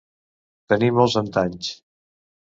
Tenir molts antanys.